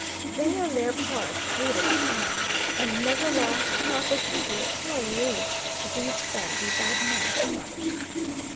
They on their part hated the Fan, and never lost an opportunity of telling me "these Fan be bad man too much."